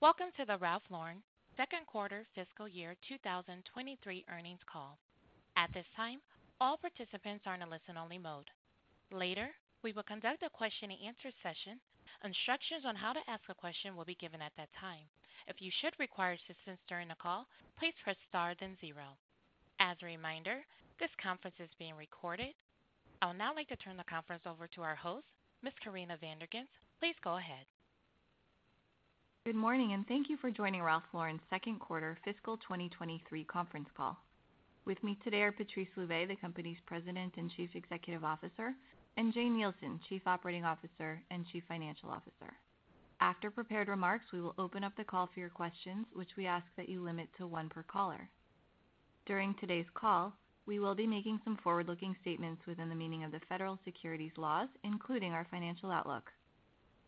Welcome to the Ralph Lauren second quarter fiscal year 2023 earnings call. At this time, all participants are in a listen-only mode. Later, we will conduct a question and answer session. Instructions on how to ask a question will be given at that time. If you should require assistance during the call, please press star then zero. As a reminder, this conference is being recorded. I would now like to turn the conference over to our host, Ms. Corinna Van der Ghinst. Please go ahead. Good morning and thank you for joining Ralph Lauren's second quarter fiscal 2023 conference call. With me today are Patrice Louvet, the company's President and Chief Executive Officer, and Jane Nielsen, Chief Operating Officer and Chief Financial Officer. After prepared remarks, we will open up the call for your questions, which we ask that you limit to one per caller. During today's call, we will be making some forward-looking statements within the meaning of the federal securities laws, including our financial outlook.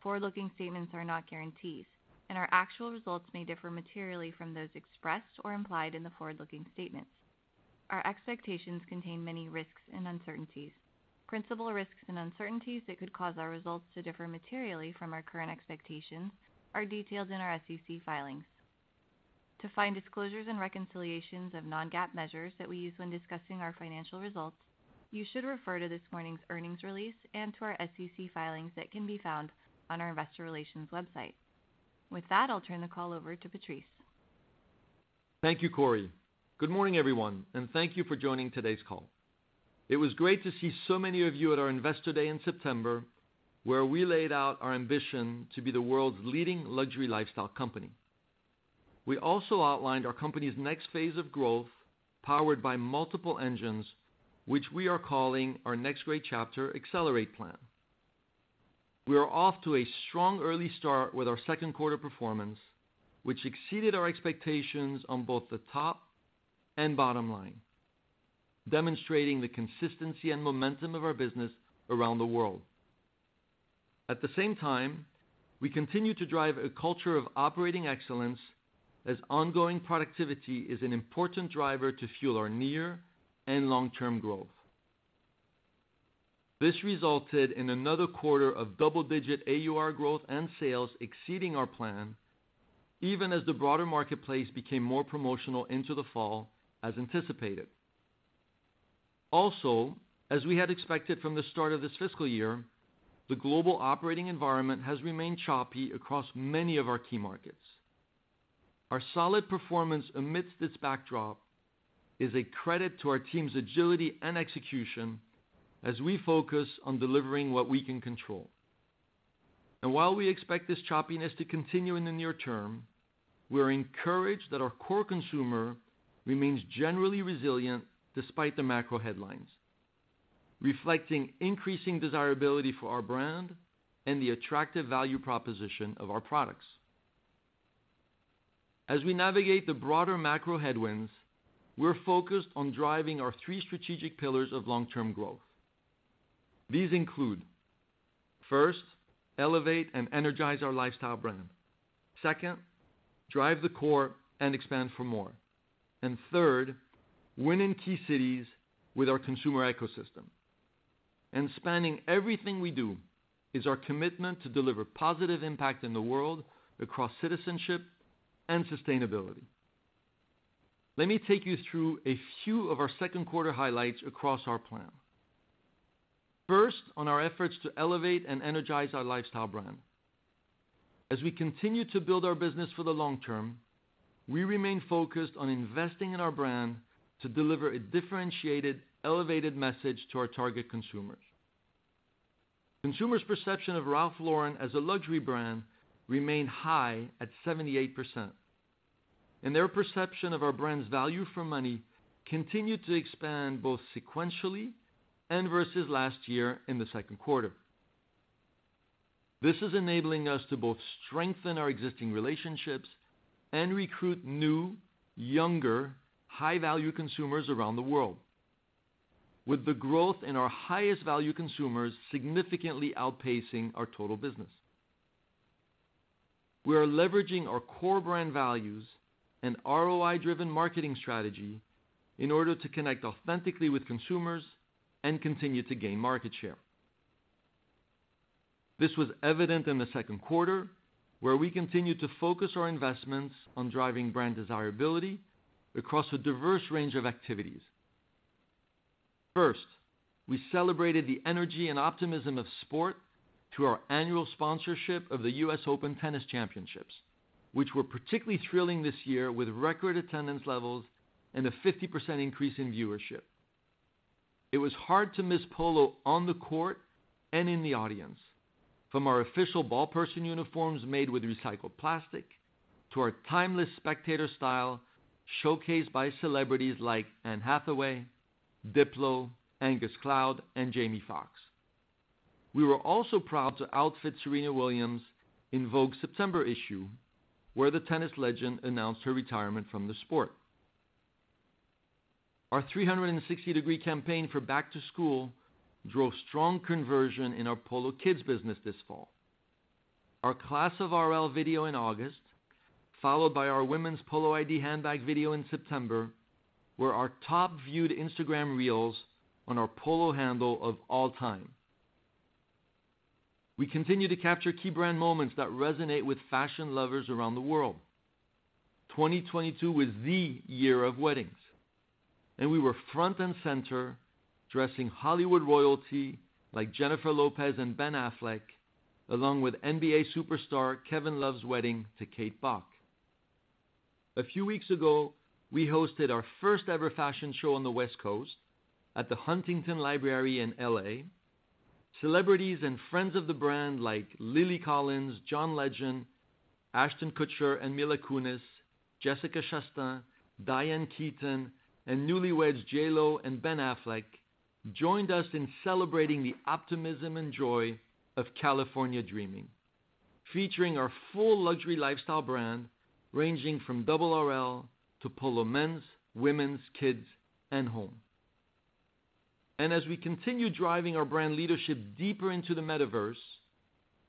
Forward-looking statements are not guarantees, and our actual results may differ materially from those expressed or implied in the forward-looking statements. Our expectations contain many risks and uncertainties. Principal risks and uncertainties that could cause our results to differ materially from our current expectations are detailed in our SEC filings. To find disclosures and reconciliations of non-GAAP measures that we use when discussing our financial results, you should refer to this morning's earnings release and to our SEC filings that can be found on our investor relations website. With that, I'll turn the call over to Patrice. Thank you, Corri. Good morning, everyone, and thank you for joining today's call. It was great to see so many of you at our Investor Day in September, where we laid out our ambition to be the world's leading luxury lifestyle company. We also outlined our company's next phase of growth, powered by multiple engines, which we are calling our Next Great Chapter: Accelerate plan. We are off to a strong early start with our second quarter performance, which exceeded our expectations on both the top and bottom line, demonstrating the consistency and momentum of our business around the world. At the same time, we continue to drive a culture of operating excellence as ongoing productivity is an important driver to fuel our near and long-term growth. This resulted in another quarter of double-digit AUR growth and sales exceeding our plan, even as the broader marketplace became more promotional into the fall as anticipated. Also, as we had expected from the start of this fiscal year, the global operating environment has remained choppy across many of our key markets. Our solid performance amidst this backdrop is a credit to our team's agility and execution as we focus on delivering what we can control. While we expect this choppiness to continue in the near term, we are encouraged that our core consumer remains generally resilient despite the macro headlines, reflecting increasing desirability for our brand and the attractive value proposition of our products. As we navigate the broader macro headwinds, we're focused on driving our three strategic pillars of long-term growth. These include, first, elevate and energize our lifestyle brand. Second, drive the core and expand for more. Third, win in key cities with our consumer ecosystem. Spanning everything we do is our commitment to deliver positive impact in the world across citizenship and sustainability. Let me take you through a few of our second quarter highlights across our plan. First, on our efforts to elevate and energize our lifestyle brand. As we continue to build our business for the long term, we remain focused on investing in our brand to deliver a differentiated, elevated message to our target consumers. Consumers' perception of Ralph Lauren as a luxury brand remained high at 78%, and their perception of our brand's value for money continued to expand both sequentially and versus last year in the second quarter. This is enabling us to both strengthen our existing relationships and recruit new, younger, high-value consumers around the world. With the growth in our highest value consumers significantly outpacing our total business, we are leveraging our core brand values and ROI-driven marketing strategy in order to connect authentically with consumers and continue to gain market share. This was evident in the second quarter, where we continued to focus our investments on driving brand desirability across a diverse range of activities. First, we celebrated the energy and optimism of sport through our annual sponsorship of the US Open Tennis Championships, which were particularly thrilling this year with record attendance levels and a 50% increase in viewership. It was hard to miss Polo on the court and in the audience, from our official ball person uniforms made with recycled plastic to our timeless spectator style showcased by celebrities like Anne Hathaway, Diplo, Angus Cloud and Jamie Foxx. We were also proud to outfit Serena Williams in Vogue September issue, where the tennis legend announced her retirement from the sport. Our 360-degree campaign for back-to-school drove strong conversion in our Polo kids business this fall. Our class of RL video in August, followed by our women's Polo ID handbag video in September, were our top-viewed Instagram reels on our Polo handle of all time. We continue to capture key brand moments that resonate with fashion lovers around the world. 2022 was the year of weddings, and we were front and center dressing Hollywood royalty, like Jennifer Lopez and Ben Affleck, along with NBA superstar Kevin Love's wedding to Kate Bock. A few weeks ago, we hosted our first-ever fashion show on the West Coast at the Huntington Library in L.A. Celebrities and friends of the brand like Lily Collins, John Legend, Ashton Kutcher and Mila Kunis, Jessica Chastain, Diane Keaton, and newlyweds J.Lo and Ben Affleck joined us in celebrating the optimism and joy of California dreaming, featuring our full luxury lifestyle brand, ranging from Double RL to Polo men's, women's, kids, and home. As we continue driving our brand leadership deeper into the metaverse,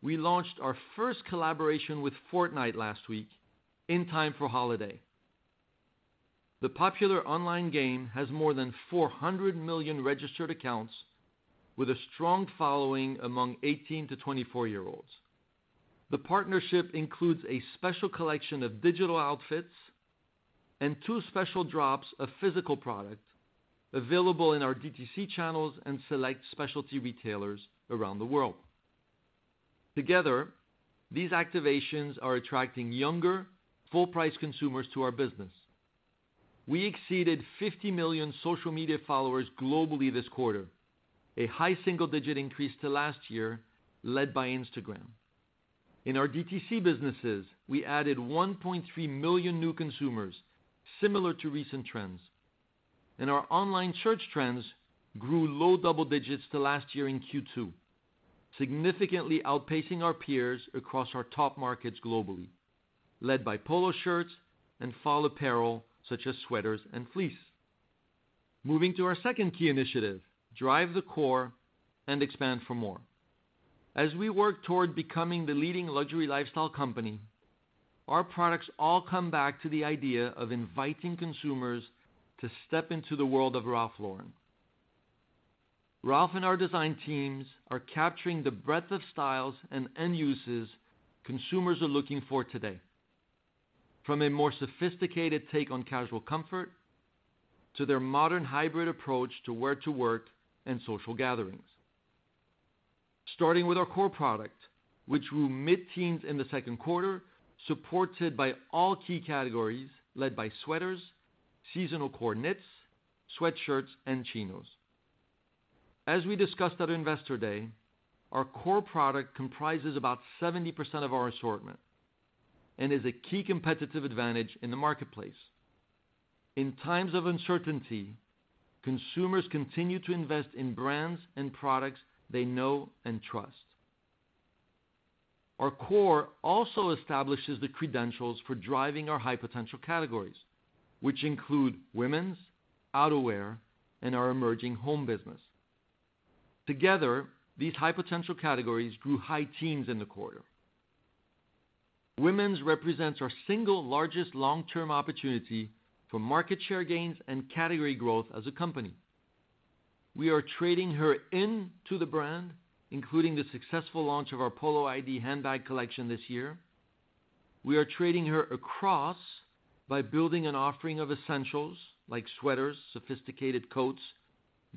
we launched our first collaboration with Fortnite last week in time for holiday. The popular online game has more than 400 million registered accounts with a strong following among 18- to 24-year-olds. The partnership includes a special collection of digital outfits and two special drops of physical product available in our DTC channels and select specialty retailers around the world. Together, these activations are attracting younger, full-price consumers to our business. We exceeded 50 million social media followers globally this quarter, a high single-digit increase to last year led by Instagram. In our DTC businesses, we added 1.3 million new consumers, similar to recent trends. Our online search trends grew low double digits to last year in Q2, significantly outpacing our peers across our top markets globally, led by polo shirts and fall apparel such as sweaters and fleece. Moving to our second key initiative, drive the core and expand for more. As we work toward becoming the leading luxury lifestyle company, our products all come back to the idea of inviting consumers to step into the world of Ralph Lauren. Ralph and our design teams are capturing the breadth of styles and end uses consumers are looking for today, from a more sophisticated take on casual comfort to their modern hybrid approach to wear-to-work and social gatherings. Starting with our core product, which grew mid-teens in the second quarter, supported by all key categories led by sweaters, seasonal core knits, sweatshirts, and chinos. As we discussed at Investor Day, our core product comprises about 70% of our assortment and is a key competitive advantage in the marketplace. In times of uncertainty, consumers continue to invest in brands and products they know and trust. Our core also establishes the credentials for driving our high-potential categories, which include women's, outerwear, and our emerging home business. Together, these high-potential categories grew high teens in the quarter. Women represent our single largest long-term opportunity for market share gains and category growth as a company. We are trading up into the brand, including the successful launch of our Polo ID handbag collection this year. We are trading her across by building an offering of essentials like sweaters, sophisticated coats,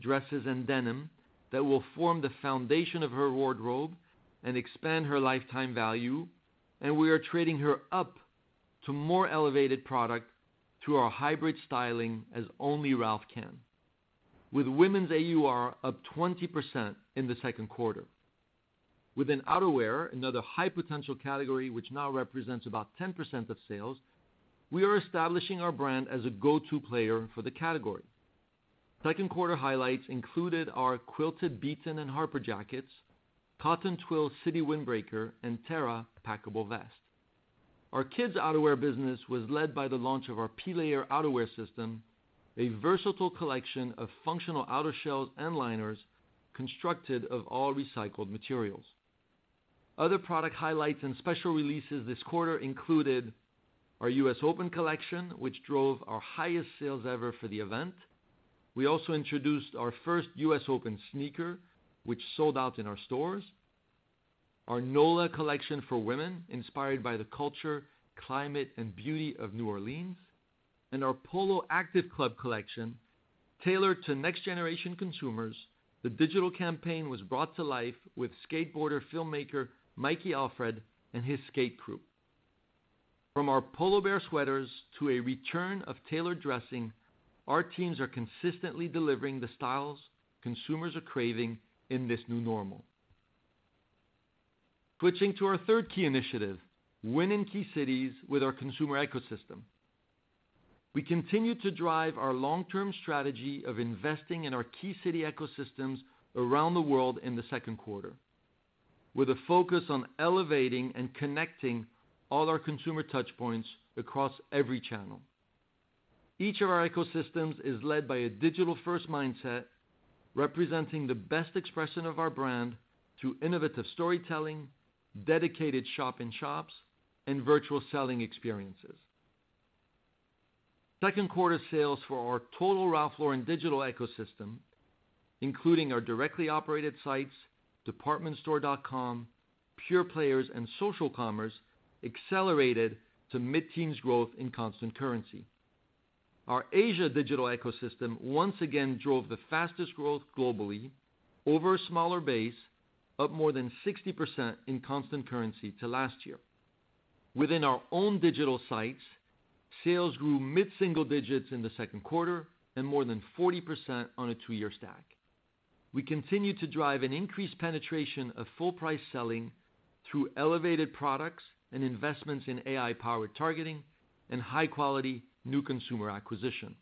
dresses, and denim that will form the foundation of her wardrobe and expand her lifetime value. We are trading her up to more elevated product through our hybrid styling as only Ralph can. With women's AUR up 20% in the second quarter. Within outerwear, another high-potential category which now represents about 10% of sales, we are establishing our brand as a go-to player for the category. Second quarter highlights included our quilted Beaton and Harper jackets, cotton twill city windbreaker, and Terra packable vest. Our kids' outerwear business was led by the launch of our P-Layer outerwear system, a versatile collection of functional outer shells and liners constructed of all recycled materials. Other product highlights and special releases this quarter included our US Open collection, which drove our highest sales ever for the event. We also introduced our first US Open sneaker, which sold out in our stores. Our NOLA collection for women, inspired by the culture, climate, and beauty of New Orleans. Our Polo Active Club collection tailored to next-generation consumers. The digital campaign was brought to life with skateboarder-filmmaker Mikey Alfred and his skate crew. From our Polo Bear sweaters to a return of tailored dressing, our teams are consistently delivering the styles consumers are craving in this new normal. Switching to our third key initiative, win in key cities with our consumer ecosystem. We continue to drive our long-term strategy of investing in our key city ecosystems around the world in the second quarter, with a focus on elevating and connecting all our consumer touch points across every channel. Each of our ecosystems is led by a digital-first mindset, representing the best expression of our brand through innovative storytelling, dedicated shop in shops, and virtual selling experiences. Second quarter sales for our total Ralph Lauren digital ecosystem, including our directly operated sites, department store.com, pure players, and social commerce, accelerated to mid-teens growth in constant currency. Our Asia digital ecosystem once again drove the fastest growth globally over a smaller base, up more than 60% in constant currency to last year. Within our own digital sites, sales grew mid-single digits in the second quarter, and more than 40% on a two-year stack. We continue to drive an increased penetration of full price selling through elevated products and investments in AI-powered targeting and high-quality new consumer acquisition.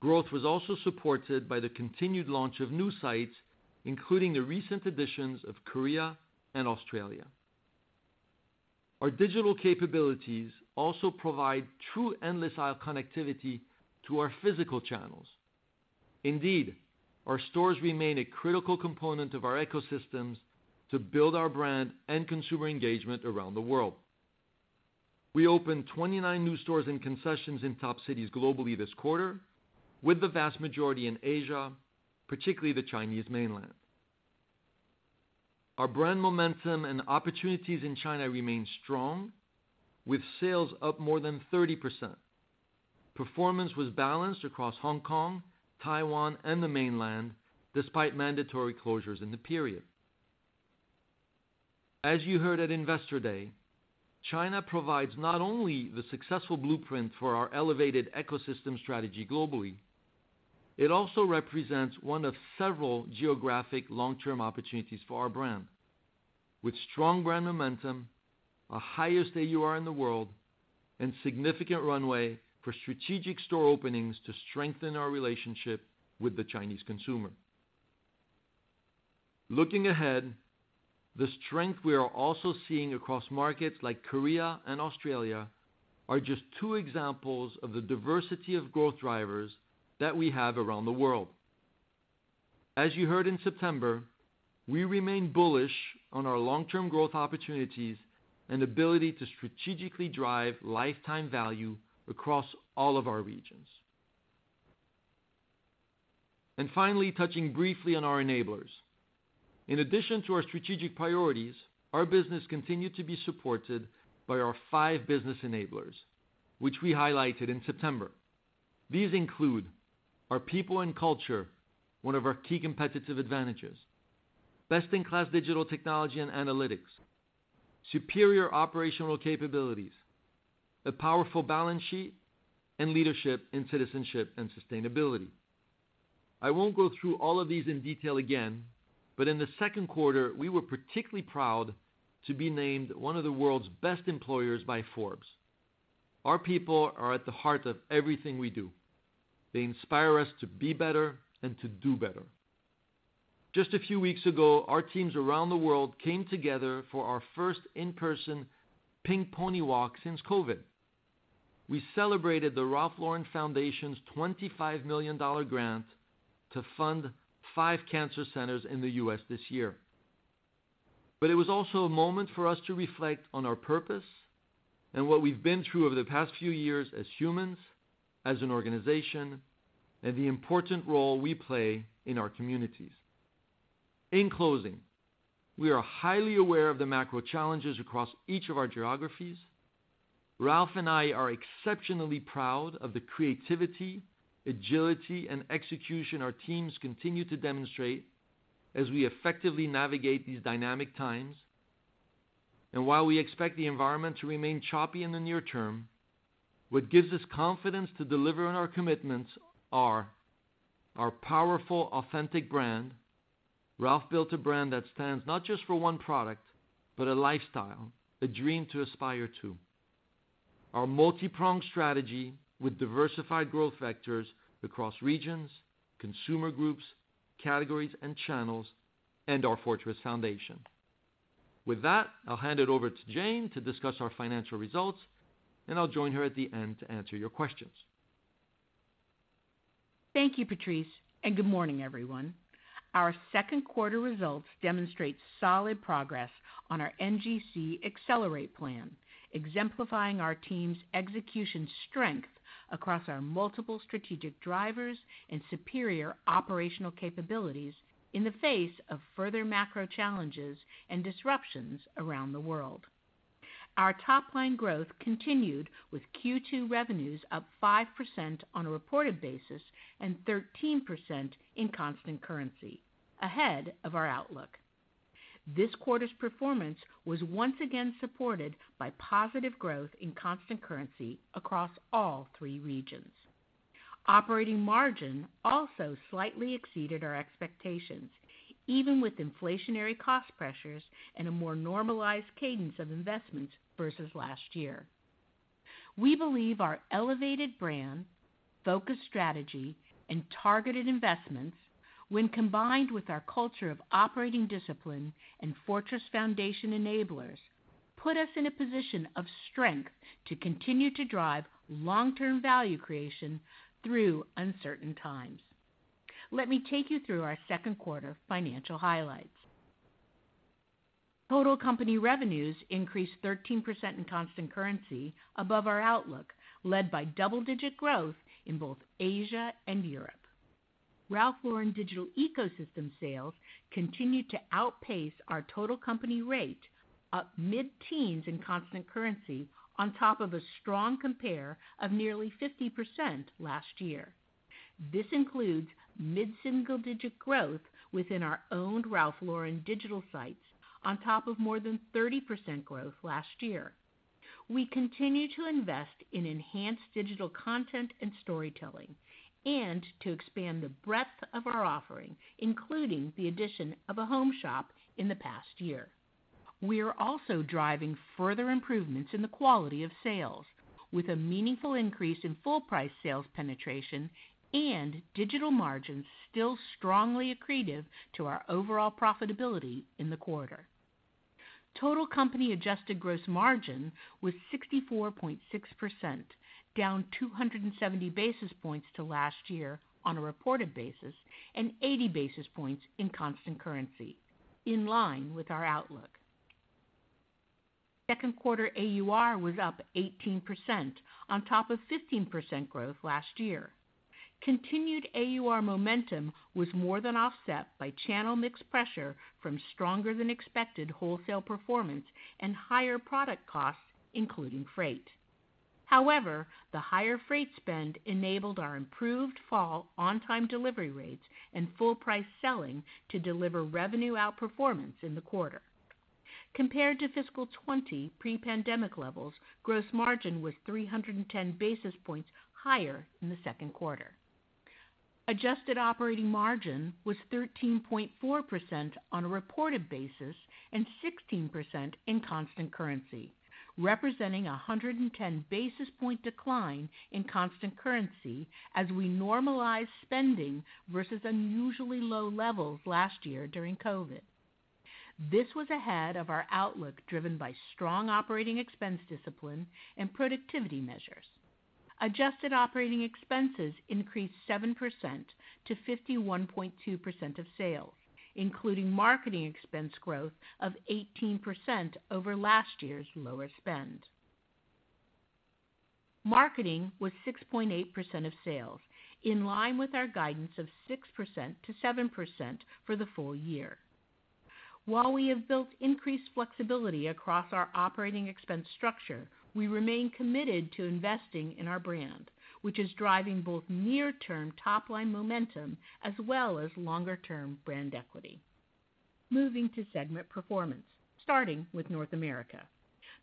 Growth was also supported by the continued launch of new sites, including the recent additions of Korea and Australia. Our digital capabilities also provide true endless aisle connectivity to our physical channels. Indeed, our stores remain a critical component of our ecosystems to build our brand and consumer engagement around the world. We opened 29 new stores and concessions in top cities globally this quarter, with the vast majority in Asia, particularly the Chinese mainland. Our brand momentum and opportunities in China remain strong, with sales up more than 30%. Performance was balanced across Hong Kong, Taiwan, and the mainland, despite mandatory closures in the period. As you heard at Investor Day, China provides not only the successful blueprint for our elevated ecosystem strategy globally, it also represents one of several geographic long-term opportunities for our brand. With strong brand momentum, our highest AUR in the world, and significant runway for strategic store openings to strengthen our relationship with the Chinese consumer. Looking ahead, the strength we are also seeing across markets like Korea and Australia are just two examples of the diversity of growth drivers that we have around the world. As you heard in September, we remain bullish on our long-term growth opportunities and ability to strategically drive lifetime value across all of our regions. Finally, touching briefly on our enablers. In addition to our strategic priorities, our business continued to be supported by our five business enablers, which we highlighted in September. These include our people and culture, one of our key competitive advantages. Best-in-class digital technology and analytics, superior operational capabilities, a powerful balance sheet, and leadership in citizenship and sustainability. I won't go through all of these in detail again, but in the second quarter, we were particularly proud to be named one of the world's best employers by Forbes. Our people are at the heart of everything we do. They inspire us to be better and to do better. Just a few weeks ago, our teams around the world came together for our first in-person Pink Pony Walk since COVID. We celebrated the Ralph Lauren Foundation's $25 million grant to fund five cancer centers in the U.S. this year. It was also a moment for us to reflect on our purpose and what we've been through over the past few years as humans, as an organization, and the important role we play in our communities. In closing, we are highly aware of the macro challenges across each of our geographies. Ralph and I are exceptionally proud of the creativity, agility, and execution our teams continue to demonstrate as we effectively navigate these dynamic times. While we expect the environment to remain choppy in the near term, what gives us confidence to deliver on our commitments are our powerful, authentic brand. Ralph built a brand that stands not just for one product, but a lifestyle, a dream to aspire to. Our multi-pronged strategy with diversified growth vectors across regions, consumer groups, categories, and channels, and our fortress foundation. With that, I'll hand it over to Jane to discuss our financial results, and I'll join her at the end to answer your questions. Thank you, Patrice, and good morning, everyone. Our second quarter results demonstrate solid progress on our NGC Accelerate plan, exemplifying our team's execution strength across our multiple strategic drivers and superior operational capabilities in the face of further macro challenges and disruptions around the world. Our top line growth continued with Q2 revenues up 5% on a reported basis and 13% in constant currency, ahead of our outlook. This quarter's performance was once again supported by positive growth in constant currency across all three regions. Operating margin also slightly exceeded our expectations, even with inflationary cost pressures and a more normalized cadence of investments versus last year. We believe our elevated brand, focused strategy, and targeted investments, when combined with our culture of operating discipline and fortress foundation enablers, put us in a position of strength to continue to drive long-term value creation through uncertain times. Let me take you through our second quarter financial highlights. Total company revenues increased 13% in constant currency above our outlook, led by double-digit growth in both Asia and Europe. Ralph Lauren digital ecosystem sales continued to outpace our total company rate up mid-teens in constant currency on top of a strong compare of nearly 50% last year. This includes mid-single-digit growth within our owned Ralph Lauren digital sites on top of more than 30% growth last year. We continue to invest in enhanced digital content and storytelling and to expand the breadth of our offering, including the addition of a home shop in the past year. We are also driving further improvements in the quality of sales with a meaningful increase in full price sales penetration and digital margins still strongly accretive to our overall profitability in the quarter. Total company adjusted gross margin was 64.6%, down 270 basis points to last year on a reported basis, and 80 basis points in constant currency in line with our outlook. Second quarter AUR was up 18% on top of 15% growth last year. Continued AUR momentum was more than offset by channel mix pressure from stronger than expected wholesale performance and higher product costs, including freight. However, the higher freight spend enabled our improved fall on-time delivery rates and full price selling to deliver revenue outperformance in the quarter. Compared to fiscal 2020 pre-pandemic levels, gross margin was 310 basis points higher in the second quarter. Adjusted operating margin was 13.4% on a reported basis and 16% in constant currency, representing a 110 basis point decline in constant currency as we normalize spending versus unusually low levels last year during COVID. This was ahead of our outlook, driven by strong operating expense discipline and productivity measures. Adjusted operating expenses increased 7% to 51.2% of sales, including marketing expense growth of 18% over last year's lower spend. Marketing was 6.8% of sales in line with our guidance of 6%-7% for the full year. While we have built increased flexibility across our operating expense structure, we remain committed to investing in our brand, which is driving both near-term top-line momentum as well as longer-term brand equity. Moving to segment performance, starting with North America.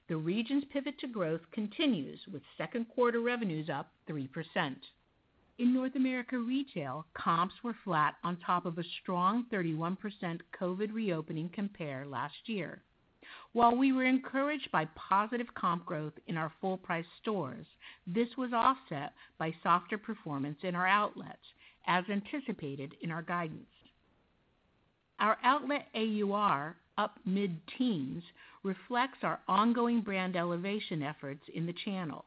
The region's pivot to growth continues with second quarter revenues up 3%. In North America Retail, comps were flat on top of a strong 31% COVID reopening comp last year. While we were encouraged by positive comp growth in our full price stores, this was offset by softer performance in our outlets as anticipated in our guidance. Our outlet AUR up mid-teens reflects our ongoing brand elevation efforts in the channel.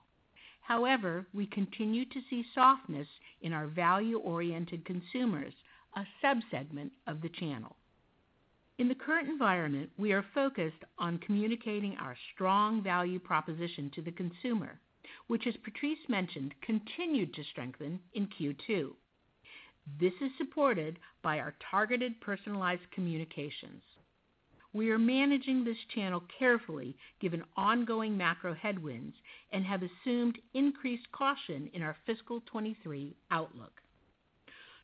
However, we continue to see softness in our value-oriented consumers, a sub-segment of the channel. In the current environment, we are focused on communicating our strong value proposition to the consumer, which as Patrice mentioned continued to strengthen in Q2. This is supported by our targeted, personalized communications. We are managing this channel carefully given ongoing macro headwinds and have assumed increased caution in our fiscal 2023 outlook.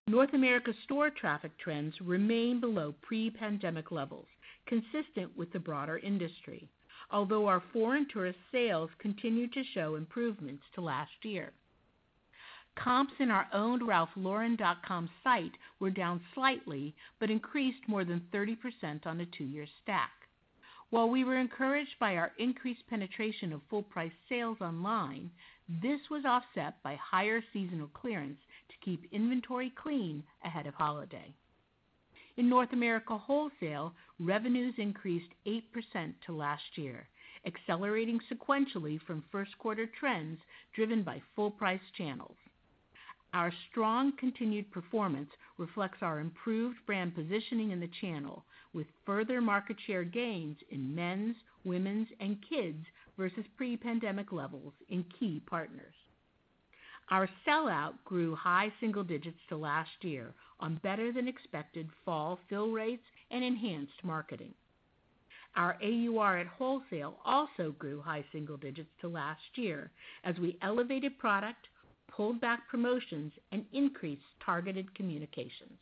North America store traffic trends remain below pre-pandemic levels, consistent with the broader industry. Although our foreign tourist sales continued to show improvements versus last year. Comps in our own ralphlauren.com site were down slightly, but increased more than 30% on a two-year stack. While we were encouraged by our increased penetration of full price sales online, this was offset by higher seasonal clearance to keep inventory clean ahead of holiday. In North America wholesale, revenues increased 8% versus last year, accelerating sequentially from first quarter trends driven by full price channels. Our strong continued performance reflects our improved brand positioning in the channel, with further market share gains in men's, women's, and kids versus pre-pandemic levels in key partners. Our sellout grew high single digits versus last year on better than expected fall fill rates and enhanced marketing. Our AUR at wholesale also grew high single digits to last year as we elevated product, pulled back promotions, and increased targeted communications.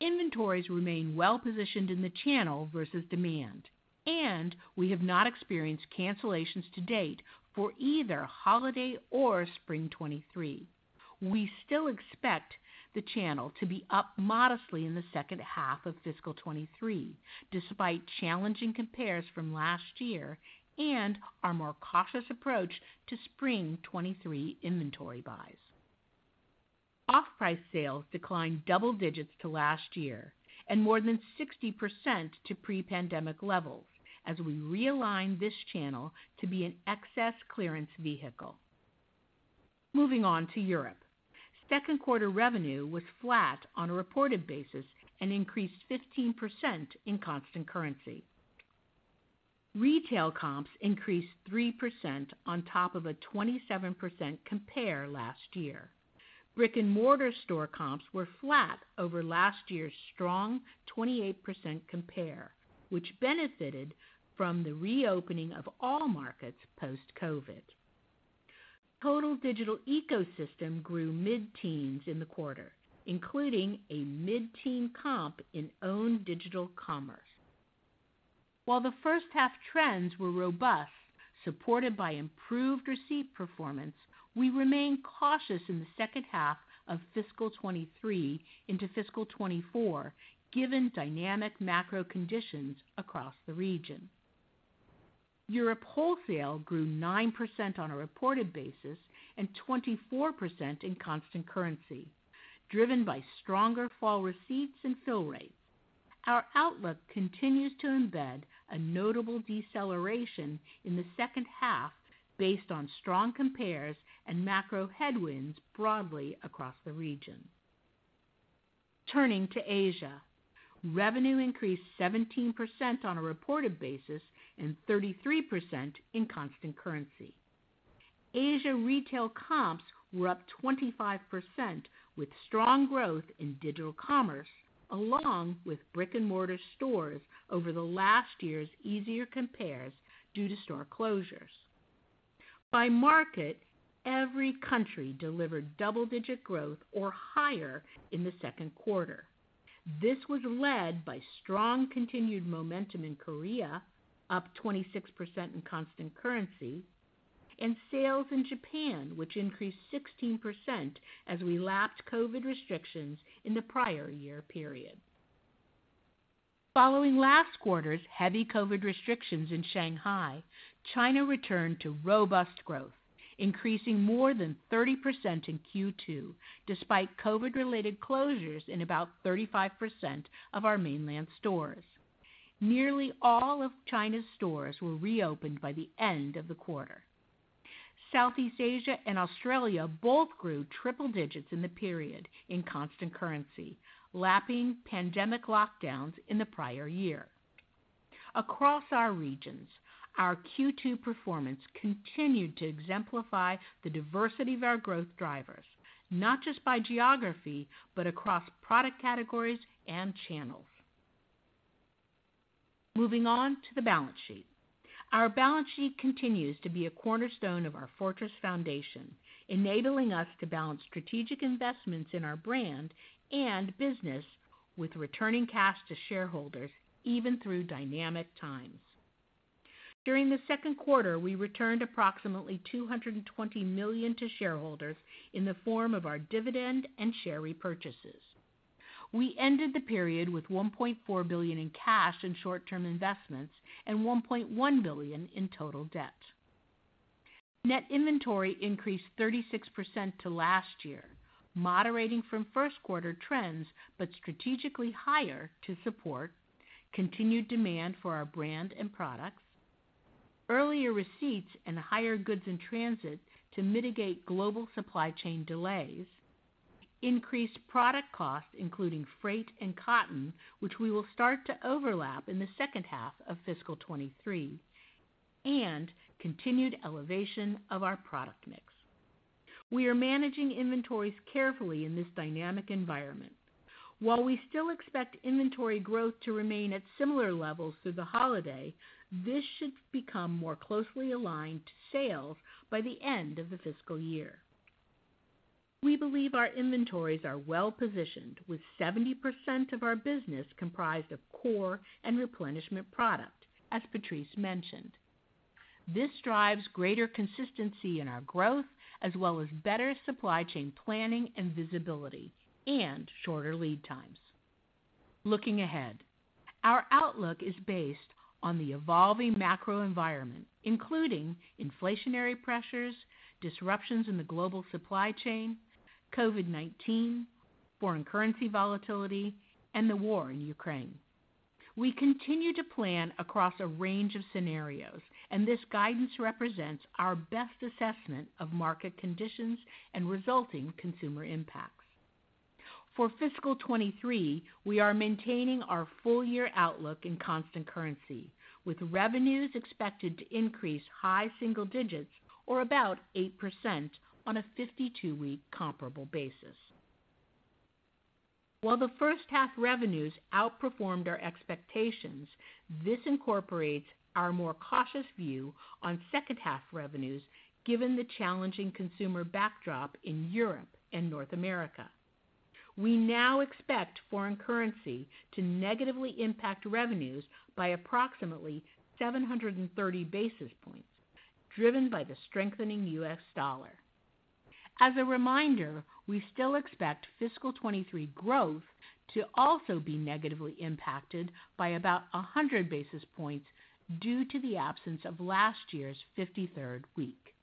Inventories remain well positioned in the channel versus demand, and we have not experienced cancellations to date for either holiday or spring 2023. We still expect the channel to be up modestly in the second half of fiscal 2023, despite challenging compares from last year and our more cautious approach to spring 2023 inventory buys. Off-price sales declined double digits to last year and more than 60% to pre-pandemic levels as we realigned this channel to be an excess clearance vehicle. Moving on to Europe. Second quarter revenue was flat on a reported basis and increased 15% in constant currency. Retail comps increased 3% on top of a 27% compare last year. Brick-and-mortar store comps were flat over last year's strong 28% compare, which benefited from the reopening of all markets post-COVID. Total digital ecosystem grew mid-teens in the quarter, including a mid-teen comp in own digital commerce. While the first half trends were robust, supported by improved receipt performance, we remain cautious in the second half of fiscal 2023 into fiscal 2024, given dynamic macro conditions across the region. Europe wholesale grew 9% on a reported basis and 24% in constant currency, driven by stronger fall receipts and fill rates. Our outlook continues to embed a notable deceleration in the second half based on strong compares and macro headwinds broadly across the region. Turning to Asia. Revenue increased 17% on a reported basis and 33% in constant currency. Asia retail comps were up 25% with strong growth in digital commerce, along with brick-and-mortar stores over the last year's easier compares due to store closures. By market, every country delivered double-digit growth or higher in the second quarter. This was led by strong continued momentum in Korea, up 26% in constant currency, and sales in Japan, which increased 16% as we lapped COVID restrictions in the prior year period. Following last quarter's heavy COVID restrictions in Shanghai, China returned to robust growth, increasing more than 30% in Q2, despite COVID-related closures in about 35% of our mainland stores. Nearly all of China's stores were reopened by the end of the quarter. Southeast Asia and Australia both grew triple digits in the period in constant currency, lapping pandemic lockdowns in the prior year. Across our regions, our Q2 performance continued to exemplify the diversity of our growth drivers, not just by geography, but across product categories and channels. Moving on to the balance sheet. Our balance sheet continues to be a cornerstone of our fortress foundation, enabling us to balance strategic investments in our brand and business with returning cash to shareholders, even through dynamic times. During the second quarter, we returned approximately $220 million to shareholders in the form of our dividend and share repurchases. We ended the period with $1.4 billion in cash and short-term investments and $1.1 billion in total debt. Net inventory increased 36% to last year, moderating from first quarter trends, but strategically higher to support continued demand for our brand and products, earlier receipts and higher goods in transit to mitigate global supply chain delays, increased product costs, including freight and cotton, which we will start to overlap in the second half of fiscal 2023, and continued elevation of our product mix. We are managing inventories carefully in this dynamic environment. While we still expect inventory growth to remain at similar levels through the holiday, this should become more closely aligned to sales by the end of the fiscal year. We believe our inventories are well-positioned with 70% of our business comprised of core and replenishment product, as Patrice mentioned. This drives greater consistency in our growth as well as better supply chain planning and visibility and shorter lead times. Looking ahead, our outlook is based on the evolving macro environment, including inflationary pressures, disruptions in the global supply chain, COVID-19, foreign currency volatility, and the war in Ukraine. We continue to plan across a range of scenarios, and this guidance represents our best assessment of market conditions and resulting consumer impacts. For fiscal 2023, we are maintaining our full year outlook in constant currency, with revenues expected to increase high single digits or about 8% on a 52-week comparable basis. While the first half revenues outperformed our expectations, this incorporates our more cautious view on second half revenues given the challenging consumer backdrop in Europe and North America. We now expect foreign currency to negatively impact revenues by approximately 730 basis points, driven by the strengthening U.S. dollar. As a reminder, we still expect fiscal 2023 growth to also be negatively impacted by about 100 basis points due to the absence of last year's 53rd week.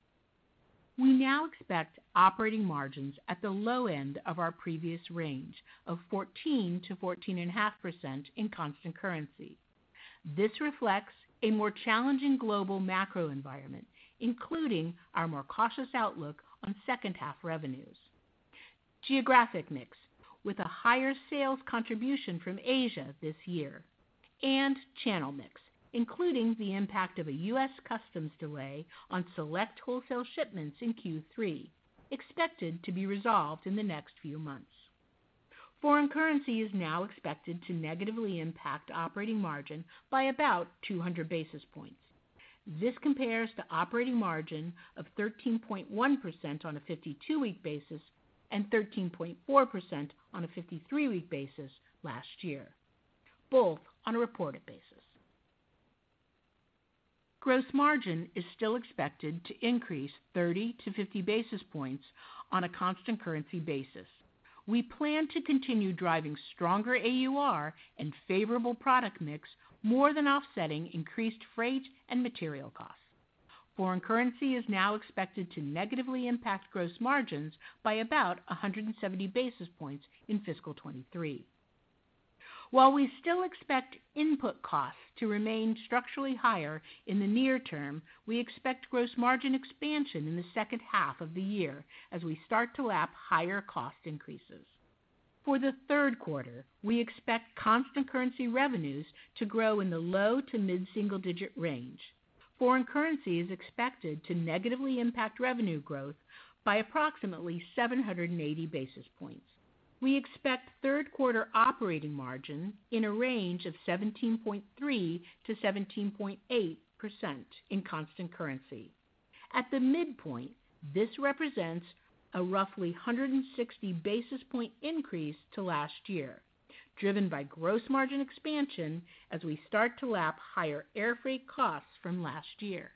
We now expect operating margins at the low end of our previous range of 14%-14.5% in constant currency. This reflects a more challenging global macro environment, including our more cautious outlook on second half revenues, geographic mix, with a higher sales contribution from Asia this year, and channel mix, including the impact of a U.S. customs delay on select wholesale shipments in Q3, expected to be resolved in the next few months. Foreign currency is now expected to negatively impact operating margin by about 200 basis points. This compares to operating margin of 13.1% on a 52-week basis and 13.4% on a 52-week basis last year, both on a reported basis. Gross margin is still expected to increase 30-50 basis points on a constant currency basis. We plan to continue driving stronger AUR and favorable product mix, more than offsetting increased freight and material costs. Foreign currency is now expected to negatively impact gross margins by about 170 basis points in fiscal 2023. While we still expect input costs to remain structurally higher in the near term, we expect gross margin expansion in the second half of the year as we start to lap higher cost increases. For the third quarter, we expect constant currency revenues to grow in the low- to mid-single-digit% range. Foreign currency is expected to negatively impact revenue growth by approximately 780 basis points. We expect third quarter operating margin in a range of 17.3%-17.8% in constant currency. At the midpoint, this represents a roughly 160 basis point increase to last year, driven by gross margin expansion as we start to lap higher airfreight costs from last year.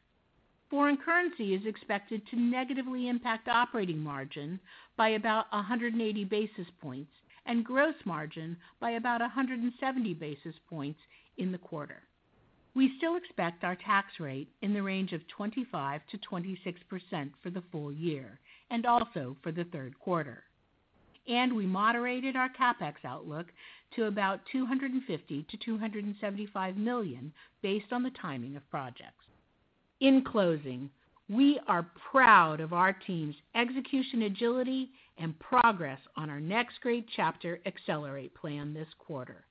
Foreign currency is expected to negatively impact operating margin by about 180 basis points and gross margin by about 170 basis points in the quarter. We still expect our tax rate in the range of 25%-26% for the full year and also for the third quarter. We moderated our CapEx outlook to about $250 million-$275 million based on the timing of projects. In closing, we are proud of our team's execution agility and progress on our Next Great Chapter: Accelerate plan this quarter,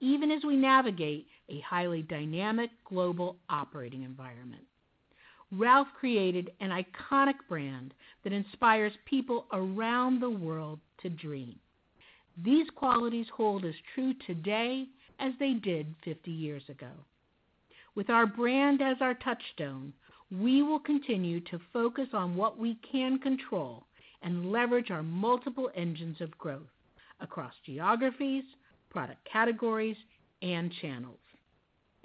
even as we navigate a highly dynamic global operating environment. Ralph created an iconic brand that inspires people around the world to dream. These qualities hold as true today as they did 50 years ago. With our brand as our touchstone, we will continue to focus on what we can control and leverage our multiple engines of growth across geographies, product categories, and channels.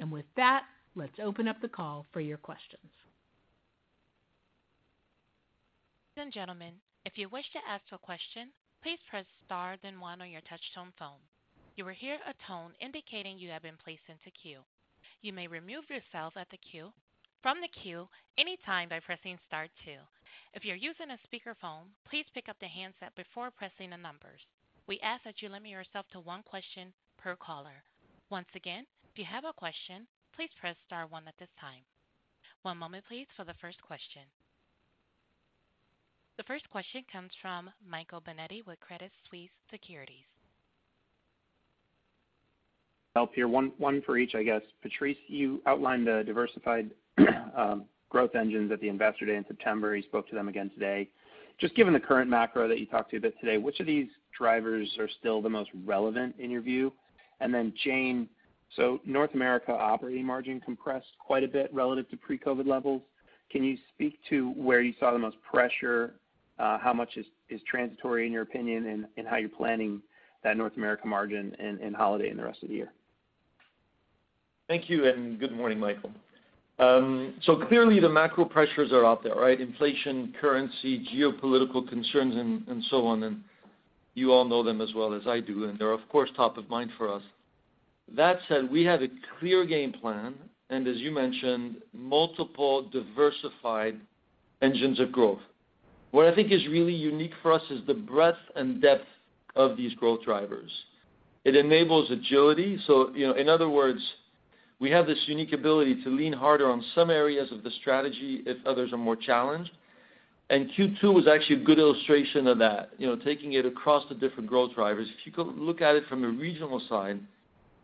With that, let's open up the call for your questions. Ladies and gentlemen, if you wish to ask a question, please press star, then one on your touchtone phone. You will hear a tone indicating you have been placed into the queue. You may remove yourself from the queue at any time by pressing star two. If you're using a speakerphone, please pick up the handset before pressing the numbers. We ask that you limit yourself to one question per caller. Once again, if you have a question, please press star one at this time. One moment please for the first question. The first question comes from Michael Binetti with Credit Suisse Securities. One for each, I guess. Patrice, you outlined the diversified growth engines at the Investor Day in September. You spoke to them again today. Just given the current macro that you talked to a bit today, which of these drivers are still the most relevant in your view? Then, Jane, North America operating margin compressed quite a bit relative to pre-COVID levels. Can you speak to where you saw the most pressure? How much is transitory in your opinion and how you're planning that North America margin in holiday and the rest of the year? Thank you and good morning, Michael. So clearly the macro pressures are out there, right? Inflation, currency, geopolitical concerns and so on, and you all know them as well as I do, and they're of course top of mind for us. That said, we have a clear game plan and as you mentioned, multiple diversified engines of growth. What I think is really unique for us is the breadth and depth of these growth drivers. It enables agility, so, you know, in other words, we have this unique ability to lean harder on some areas of the strategy if others are more challenged. Q2 was actually a good illustration of that. You know, taking it across the different growth drivers. If you look at it from a regional side,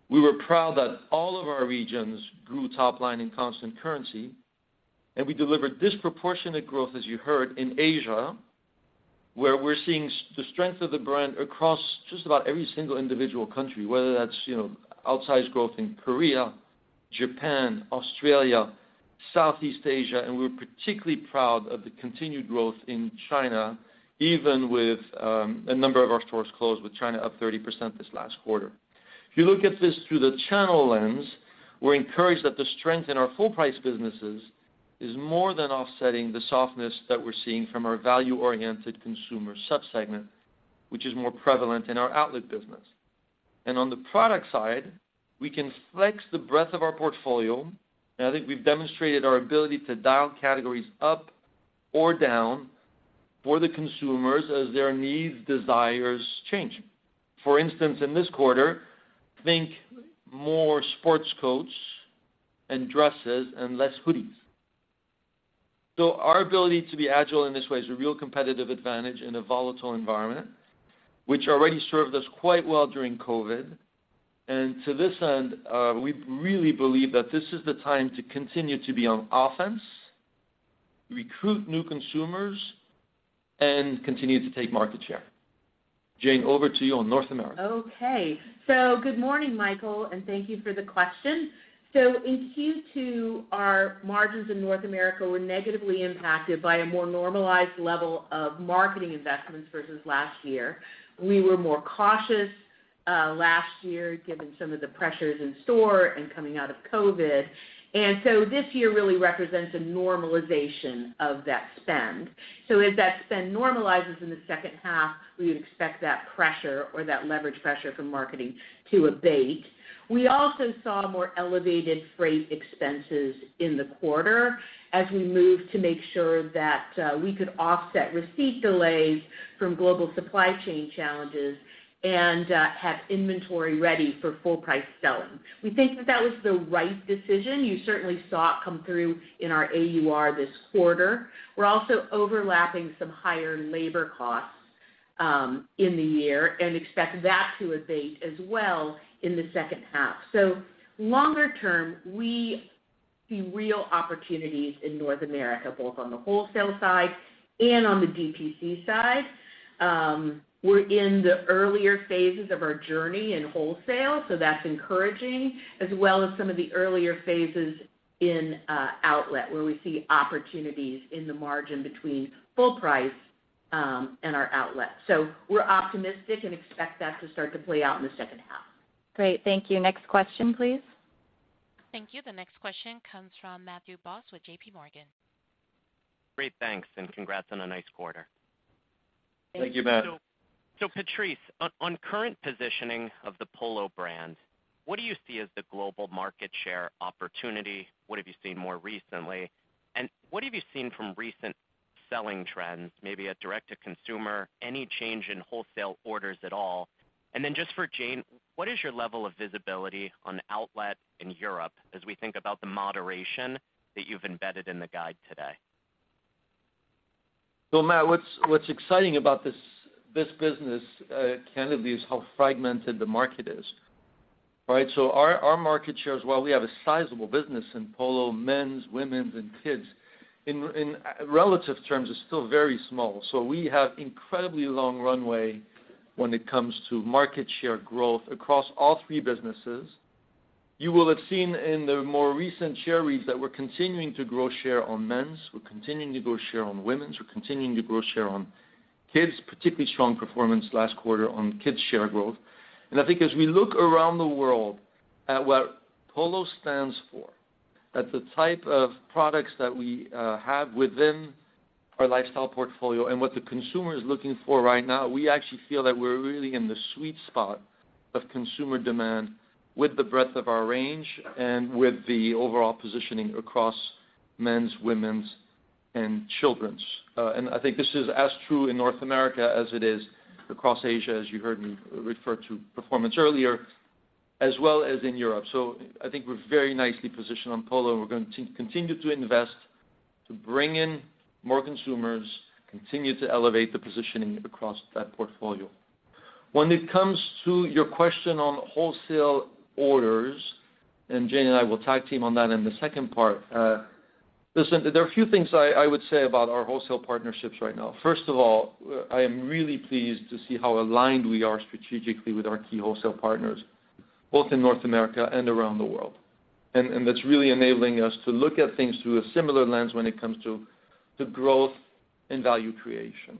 we were proud that all of our regions grew top line in constant currency, and we delivered disproportionate growth, as you heard, in Asia, where we're seeing the strength of the brand across just about every single individual country, whether that's, you know, outsized growth in Korea, Japan, Australia, Southeast Asia, and we're particularly proud of the continued growth in China, even with a number of our stores closed with China up 30% this last quarter. If you look at this through the channel lens, we're encouraged that the strength in our full price businesses is more than offsetting the softness that we're seeing from our value-oriented consumer sub-segment, which is more prevalent in our outlet business. On the product side, we can flex the breadth of our portfolio, and I think we've demonstrated our ability to dial categories up or down. For the consumers as their needs, desires change. For instance, in this quarter, think more sports coats and dresses and less hoodies. Our ability to be agile in this way is a real competitive advantage in a volatile environment, which already served us quite well during COVID. To this end, we really believe that this is the time to continue to be on offense, recruit new consumers, and continue to take market share. Jane, over to you on North America. Okay. Good morning, Michael, and thank you for the question. In Q2, our margins in North America were negatively impacted by a more normalized level of marketing investments versus last year. We were more cautious last year given some of the pressures in store and coming out of COVID. This year really represents a normalization of that spend. As that spend normalizes in the second half, we would expect that pressure or that leverage pressure from marketing to abate. We also saw more elevated freight expenses in the quarter as we moved to make sure that we could offset receipt delays from global supply chain challenges and have inventory ready for full price selling. We think that that was the right decision. You certainly saw it come through in our AUR this quarter. We're also overlapping some higher labor costs in the year and expect that to abate as well in the second half. Longer term, we see real opportunities in North America, both on the wholesale side and on the DTC side. We're in the earlier phases of our journey in wholesale, so that's encouraging, as well as some of the earlier phases in outlet, where we see opportunities in the margin between full price and our outlet. We're optimistic and expect that to start to play out in the second half. Great. Thank you. Next question, please. Thank you. The next question comes from Matthew Boss with J.P. Morgan. Great. Thanks, and congrats on a nice quarter. Thank you, Matt. Thank you. Patrice, on current positioning of the Polo brand, what do you see as the global market share opportunity? What have you seen more recently? What have you seen from recent selling trends, maybe at direct to consumer, any change in wholesale orders at all? Just for Jane, what is your level of visibility on outlet in Europe as we think about the moderation that you've embedded in the guide today? Matt, what's exciting about this business, candidly is how fragmented the market is. All right? Our market share is while we have a sizable business in Polo, men's, women's, and kids, in relative terms, is still very small. We have incredibly long runway when it comes to market share growth across all three businesses. You will have seen in the more recent share reads that we're continuing to grow share on men's, we're continuing to grow share on women's, we're continuing to grow share on kids, particularly strong performance last quarter on kids share growth. I think as we look around the world at what Polo stands for, at the type of products that we have within our lifestyle portfolio and what the consumer is looking for right now, we actually feel that we're really in the sweet spot of consumer demand with the breadth of our range and with the overall positioning across men's, women's, and children's. I think this is as true in North America as it is across Asia, as you heard me refer to performance earlier, as well as in Europe. I think we're very nicely positioned on Polo. We're going to continue to invest to bring in more consumers, continue to elevate the positioning across that portfolio. When it comes to your question on wholesale orders, and Jane and I will tag team on that in the second part. Listen, there are a few things I would say about our wholesale partnerships right now. First of all, I am really pleased to see how aligned we are strategically with our key wholesale partners, both in North America and around the world. That's really enabling us to look at things through a similar lens when it comes to the growth and value creation.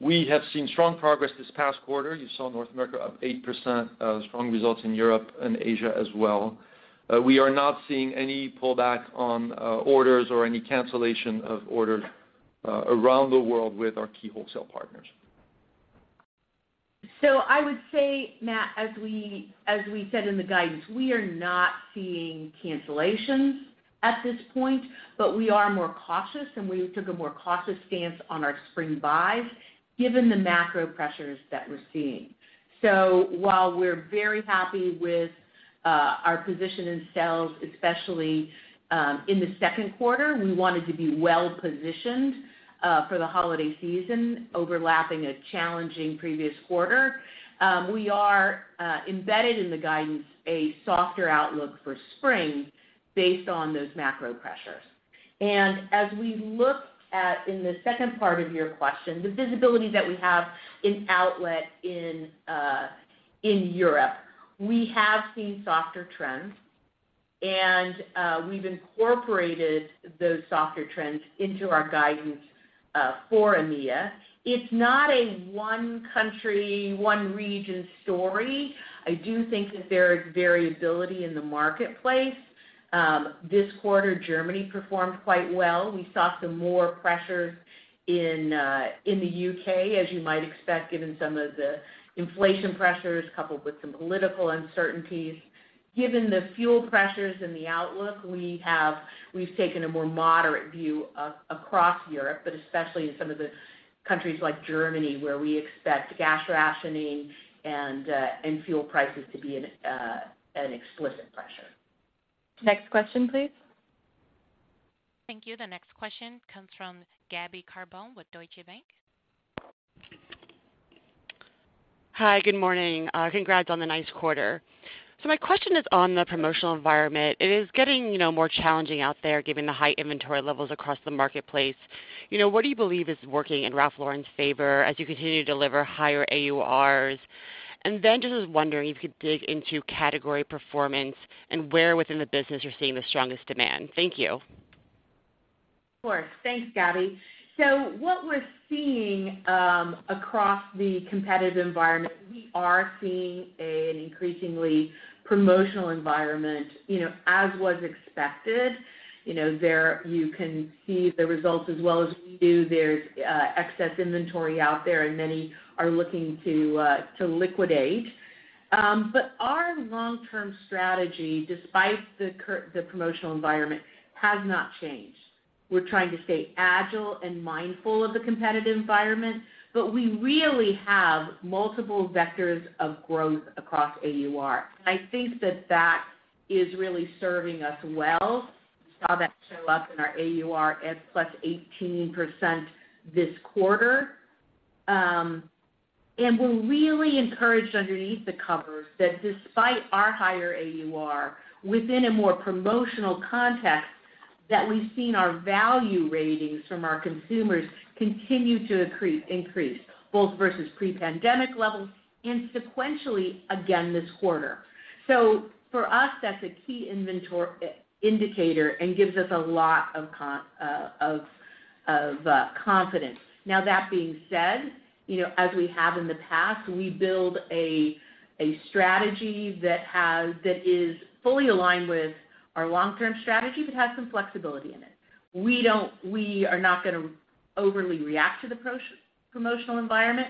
We have seen strong progress this past quarter. You saw North America up 8%, strong results in Europe and Asia as well. We are not seeing any pullback on orders or any cancellation of orders around the world with our key wholesale partners. I would say, Matt, as we said in the guidance, we are not seeing cancellations at this point, but we are more cautious, and we took a more cautious stance on our spring buys given the macro pressures that we're seeing. While we're very happy with our position in sales, especially in the second quarter, we wanted to be well-positioned for the holiday season, overlapping a challenging previous quarter. We are embedded in the guidance a softer outlook for spring based on those macro pressures. As we look at, in the second part of your question, the visibility that we have in outlet in Europe, we have seen softer trends, and we've incorporated those softer trends into our guidance for EMEA. It's not a one country, one region story. I do think that there is variability in the marketplace. This quarter, Germany performed quite well. We saw some more pressures in the U.K., as you might expect, given some of the inflation pressures coupled with some political uncertainties. Given the fuel pressures in the outlook, we've taken a more moderate view across Europe, but especially in some of the countries like Germany, where we expect gas rationing and fuel prices to be an explicit pressure. Next question, please. Thank you. The next question comes from Gabby Carbone with Deutsche Bank. Hi, good morning. Congrats on the nice quarter. My question is on the promotional environment. It is getting, you know, more challenging out there, given the high inventory levels across the marketplace. You know, what do you believe is working in Ralph Lauren's favor as you continue to deliver higher AURs? And then just was wondering if you could dig into category performance and where within the business you're seeing the strongest demand. Thank you. Of course. Thanks, Gabby. What we're seeing across the competitive environment, we are seeing an increasingly promotional environment, you know, as was expected. You know, you can see the results as well as we do. There's excess inventory out there, and many are looking to liquidate. But our long-term strategy, despite the promotional environment, has not changed. We're trying to stay agile and mindful of the competitive environment, but we really have multiple vectors of growth across AUR. I think that is really serving us well. We saw that show up in our AUR at +18% this quarter. And we're really encouraged underneath the covers that despite our higher AUR, within a more promotional context, that we've seen our value ratings from our consumers continue to increase, both versus pre-pandemic levels and sequentially again this quarter. For us, that's a key inventory indicator and gives us a lot of confidence. Now that being said, you know, as we have in the past, we build a strategy that is fully aligned with our long-term strategy, but has some flexibility in it. We are not gonna overly react to the promotional environment,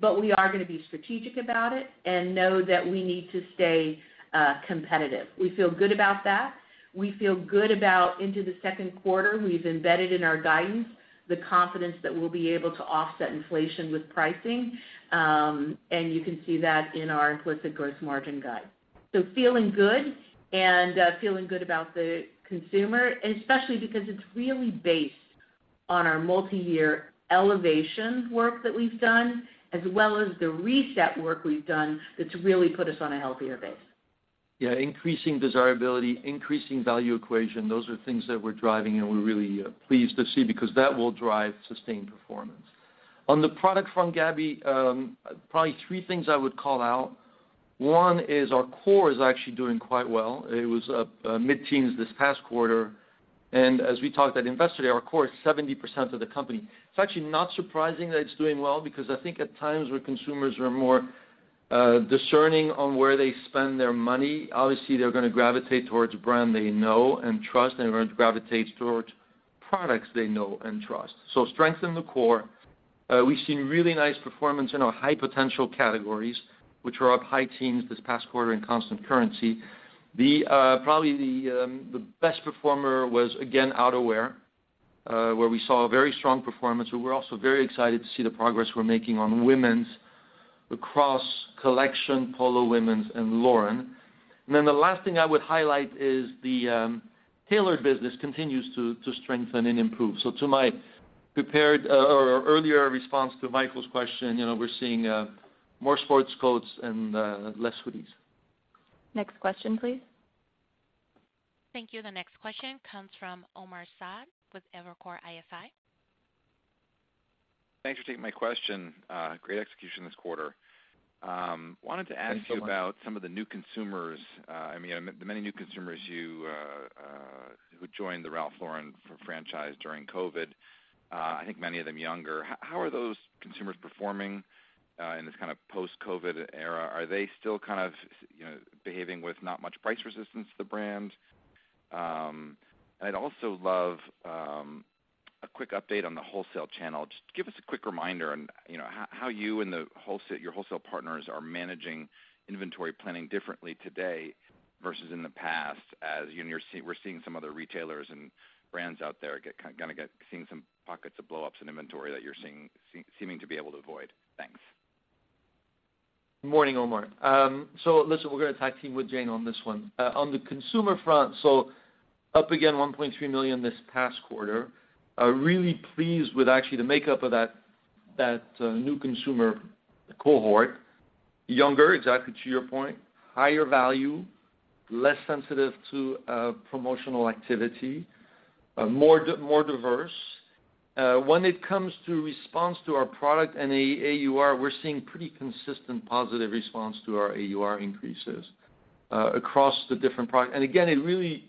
but we are gonna be strategic about it and know that we need to stay competitive. We feel good about that. We feel good about going into the second quarter. We've embedded in our guidance the confidence that we'll be able to offset inflation with pricing, and you can see that in our implicit gross margin guide. Feeling good about the consumer, and especially because it's really based on our multi-year elevation work that we've done, as well as the reset work we've done that's really put us on a healthier base. Yeah, increasing desirability, increasing value equation, those are things that we're driving and we're really pleased to see because that will drive sustained performance. On the product front, Gabby, probably three things I would call out. One is our core is actually doing quite well. It was mid-teens this past quarter. As we talked at Investor Day, our core is 70% of the company. It's actually not surprising that it's doing well because I think at times where consumers are more discerning on where they spend their money, obviously they're gonna gravitate towards a brand they know and trust, and they're going to gravitate towards products they know and trust. Strength in the core. We've seen really nice performance in our high potential categories, which were up high teens this past quarter in constant currency. The best performer was, again, outerwear, where we saw a very strong performance. We were also very excited to see the progress we're making on women's across collection, Polo women's and Lauren. The last thing I would highlight is the tailored business continues to strengthen and improve. To my earlier response to Michael's question, you know, we're seeing more sports coats and less hoodies. Next question, please. Thank you. The next question comes from Omar Saad with Evercore ISI. Thanks for taking my question. Great execution this quarter. Wanted to ask- Thank you so much. About some of the new consumers, I mean, the many new consumers you who joined the Ralph Lauren franchise during COVID, I think many of them younger. How are those consumers performing in this kind of post-COVID era? Are they still kind of, you know, behaving with not much price resistance to the brands? And I'd also love a quick update on the wholesale channel. Just give us a quick reminder on, you know, how you and your wholesale partners are managing inventory planning differently today versus in the past, as, you know, we're seeing some other retailers and brands out there seeing some pockets of blow-ups in inventory that you're seeming to be able to avoid. Thanks. Morning, Omar. We're gonna tag team with Jane on this one. On the consumer front, up again 1.3 million this past quarter. Really pleased with actually the makeup of that new consumer cohort. Younger, exactly to your point, higher value, less sensitive to promotional activity, more diverse. When it comes to response to our product and AUR, we're seeing pretty consistent positive response to our AUR increases across the different. It really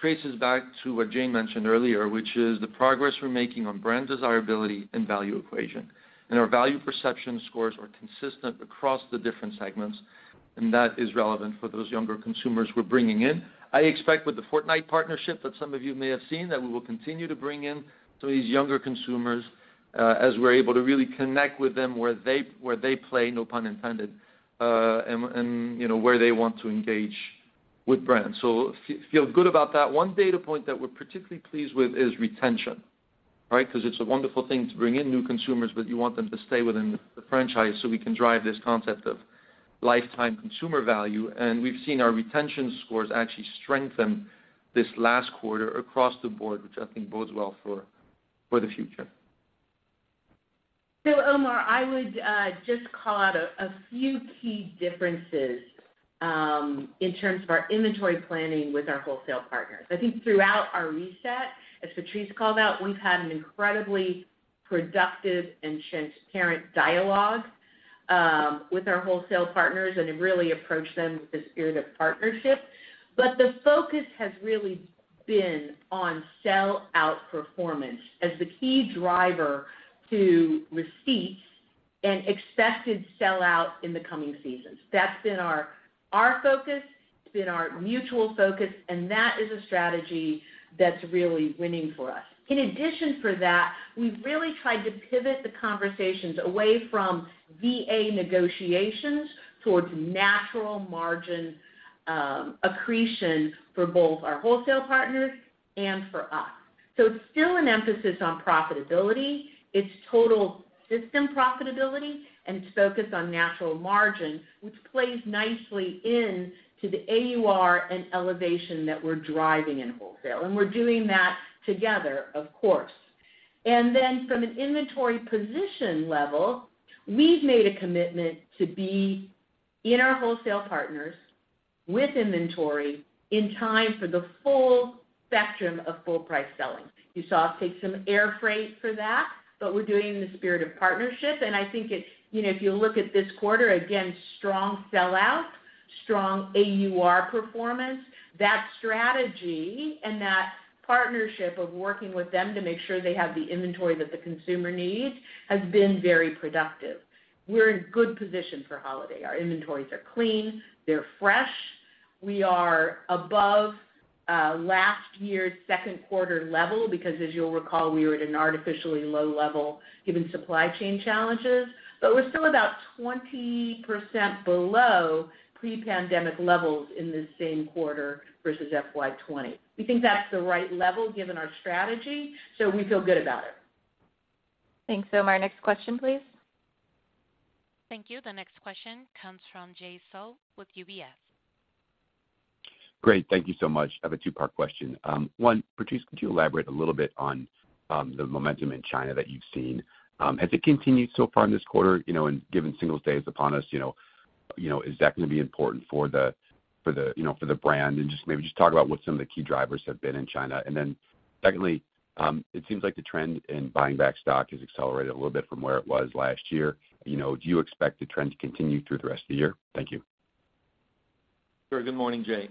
traces back to what Jane mentioned earlier, which is the progress we're making on brand desirability and value equation. Our value perception scores are consistent across the different segments, and that is relevant for those younger consumers we're bringing in. I expect with the Fortnite partnership that some of you may have seen, that we will continue to bring in some of these younger consumers, as we're able to really connect with them where they play, no pun intended, and you know, where they want to engage with brands. So feel good about that. One data point that we're particularly pleased with is retention. Right? Because it's a wonderful thing to bring in new consumers, but you want them to stay within the franchise so we can drive this concept of lifetime consumer value. We've seen our retention scores actually strengthen this last quarter across the board, which I think bodes well for the future. Omar, I would just call out a few key differences in terms of our inventory planning with our wholesale partners. I think throughout our reset, as Patrice called out, we've had an incredibly productive and transparent dialogue with our wholesale partners and have really approached them with the spirit of partnership. The focus has really been on sell out performance as the key driver to receipts and expected sell out in the coming seasons. That's been our focus, it's been our mutual focus, and that is a strategy that's really winning for us. In addition for that, we've really tried to pivot the conversations away from VA negotiations towards natural margin accretion for both our wholesale partners and for us. It's still an emphasis on profitability. It's total system profitability, and it's focused on natural margins, which plays nicely into the AUR and elevation that we're driving in wholesale, and we're doing that together, of course. Then from an inventory position level, we've made a commitment to be in our wholesale partners with inventory in time for the full spectrum of full price selling. You saw us take some air freight for that, but we're doing it in the spirit of partnership, and I think it. You know, if you look at this quarter, again, strong sell out, strong AUR performance. That strategy and that partnership of working with them to make sure they have the inventory that the consumer needs has been very productive. We're in good position for holiday. Our inventories are clean, they're fresh. We are above last year's second quarter level because as you'll recall, we were at an artificially low level given supply chain challenges. We're still about 20% below pre-pandemic levels in this same quarter versus FY 2020. We think that's the right level given our strategy, so we feel good about it. Thanks, Omar. Next question, please. Thank you. The next question comes from Jay Sole with UBS. Great. Thank you so much. I have a two-part question. One, Patrice, could you elaborate a little bit on the momentum in China that you've seen? Has it continued so far in this quarter, you know, and given Singles' Day is upon us, you know, is that gonna be important for the brand? And just maybe talk about what some of the key drivers have been in China. And then secondly, it seems like the trend in buying back stock has accelerated a little bit from where it was last year. You know, do you expect the trend to continue through the rest of the year? Thank you. Sure. Good morning, Jay.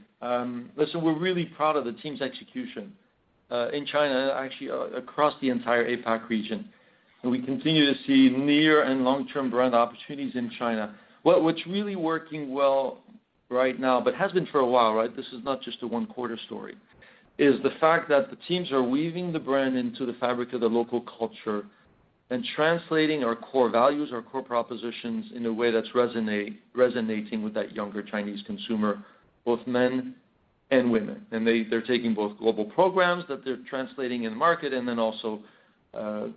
Listen, we're really proud of the team's execution in China, actually, across the entire APAC region, and we continue to see near and long-term brand opportunities in China. What's really working well right now, but has been for a while, right, this is not just a one quarter story, is the fact that the teams are weaving the brand into the fabric of the local culture and translating our core values, our core propositions in a way that's resonating with that younger Chinese consumer, both men and women. They're taking both global programs that they're translating in market and then also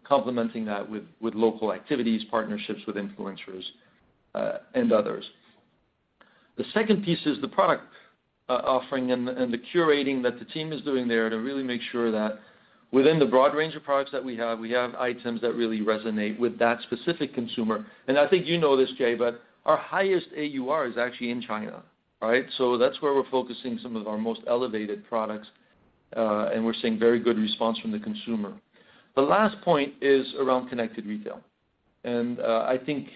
complementing that with local activities, partnerships with influencers, and others. The second piece is the product, offering and the curating that the team is doing there to really make sure that within the broad range of products that we have, we have items that really resonate with that specific consumer. I think you know this, Jay, but our highest AUR is actually in China. All right. That's where we're focusing some of our most elevated products, and we're seeing very good response from the consumer. The last point is around connected retail, and I think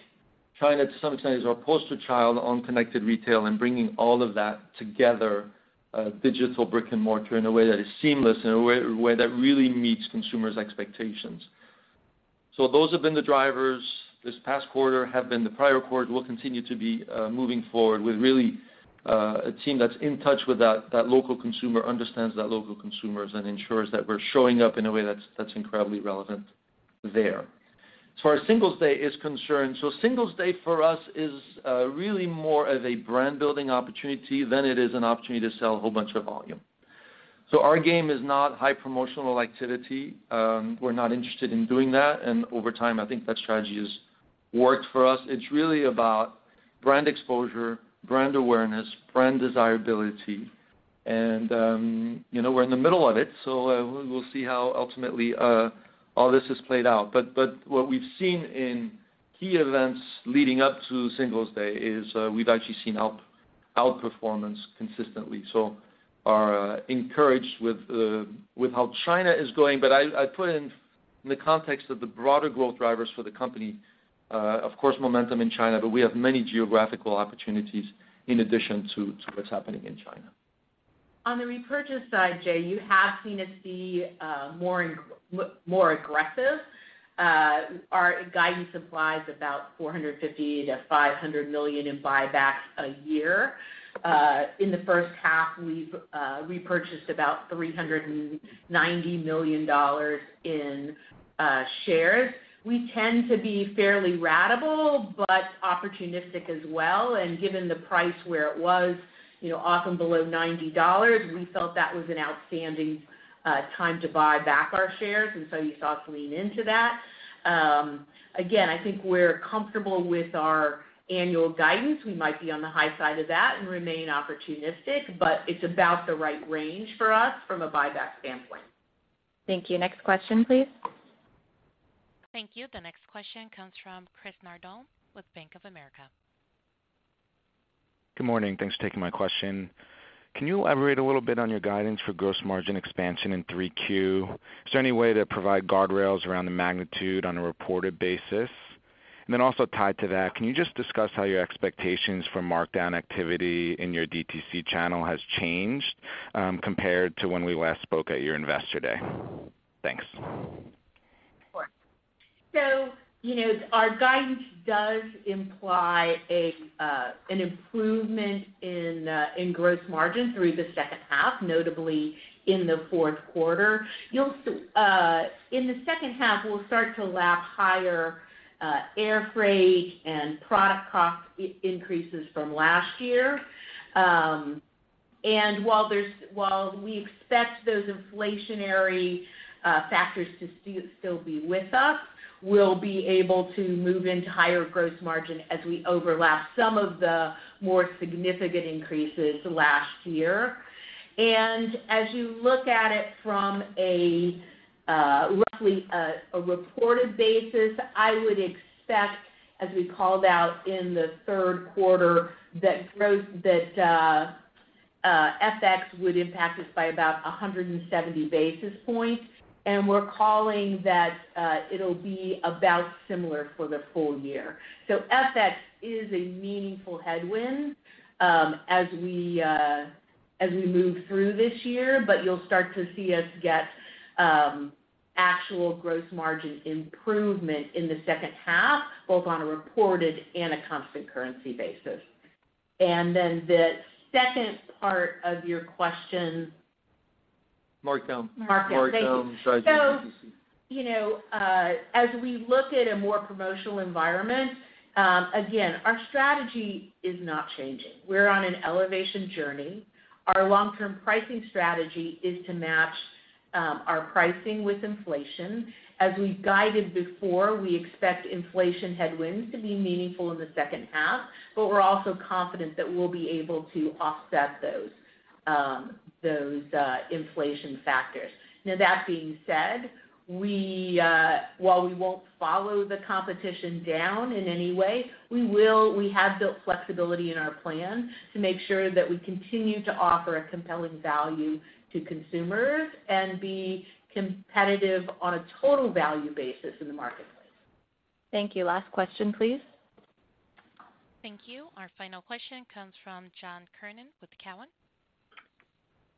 China to some extent is our poster child on connected retail and bringing all of that together, digital brick and mortar in a way that is seamless, in a way that really meets consumers' expectations. Those have been the drivers this past quarter, have been the prior quarter, will continue to be, moving forward with really a team that's in touch with that local consumer, understands that local consumers, and ensures that we're showing up in a way that's incredibly relevant there. As far as Singles' Day is concerned, Singles' Day for us is really more of a brand-building opportunity than it is an opportunity to sell a whole bunch of volume. Our game is not high promotional activity. We're not interested in doing that, and over time, I think that strategy has worked for us. It's really about brand exposure, brand awareness, brand desirability. You know, we're in the middle of it, so we'll see how ultimately all this has played out. What we've seen in key events leading up to Singles' Day is, we've actually seen outperformance consistently. We're encouraged with how China is going. I put it in the context of the broader growth drivers for the company, of course, momentum in China, but we have many geographical opportunities in addition to what's happening in China. On the repurchase side, Jay, you have seen us be more aggressive. Our guidance implies about $450 million-$500 million in buybacks a year. In the first half, we've repurchased about $390 million in shares. We tend to be fairly ratable, but opportunistic as well. Given the price where it was, you know, often below $90, we felt that was an outstanding time to buy back our shares, and so you saw us lean into that. Again, I think we're comfortable with our annual guidance. We might be on the high side of that and remain opportunistic, but it's about the right range for us from a buyback standpoint. Thank you. Next question, please. Thank you. The next question comes from Chris Nardone with Bank of America. Good morning. Thanks for taking my question. Can you elaborate a little bit on your guidance for gross margin expansion in 3Q? Is there any way to provide guardrails around the magnitude on a reported basis? Then also tied to that, can you just discuss how your expectations for markdown activity in your DTC channel has changed, compared to when we last spoke at your Investor Day? Thanks. Sure. You know, our guidance does imply an improvement in gross margin through the second half, notably in the fourth quarter. In the second half, we'll start to lap higher air freight and product cost increases from last year. While we expect those inflationary factors to still be with us, we'll be able to move into higher gross margin as we overlap some of the more significant increases last year. As you look at it from roughly a reported basis, I would expect, as we called out in the third quarter, that FX would impact us by about 170 basis points, and we're calling that it'll be about similar for the full year. FX is a meaningful headwind, as we move through this year, but you'll start to see us get actual gross margin improvement in the second half, both on a reported and a constant currency basis. Then the second part of your question. Markup. Markup. Thank you. Markup side in DTC. You know, as we look at a more promotional environment, again, our strategy is not changing. We're on an elevation journey. Our long-term pricing strategy is to match our pricing with inflation. As we've guided before, we expect inflation headwinds to be meaningful in the second half, but we're also confident that we'll be able to offset those inflation factors. Now, that being said, while we won't follow the competition down in any way, we have built flexibility in our plan to make sure that we continue to offer a compelling value to consumers and be competitive on a total value basis in the marketplace. Thank you. Last question, please. Thank you. Our final question comes from John Kernan with Cowen.